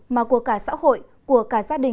mà của cả xã hội của cả gia đình